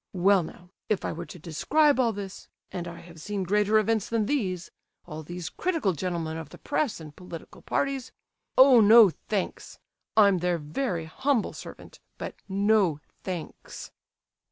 Well now, if I were to describe all this, and I have seen greater events than these, all these critical gentlemen of the press and political parties—Oh, no thanks! I'm their very humble servant, but no thanks!"